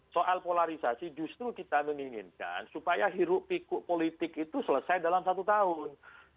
soal polarisasi justru kita menginginkan supaya hiruk pikuk politik itu selesai dalam satu tahun